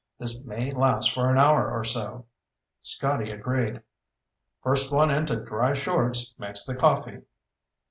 This may last for an hour or so." Scotty agreed. "First one into dry shorts makes the coffee."